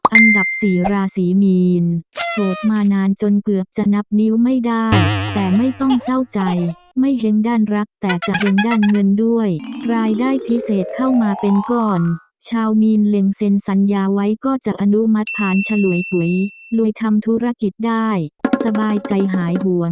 อันดับสี่ราศีมีนโสดมานานจนเกือบจะนับนิ้วไม่ได้แต่ไม่ต้องเศร้าใจไม่เห็นด้านรักแต่จะเห็นด้านเงินด้วยรายได้พิเศษเข้ามาเป็นก้อนชาวมีนเล็งเซ็นสัญญาไว้ก็จะอนุมัติผ่านฉลวยปุ๋ยรวยทำธุรกิจได้สบายใจหายหัว